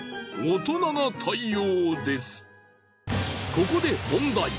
ここで本題。